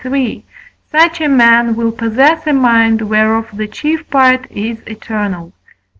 such a man will possess a mind whereof the chief part is eternal.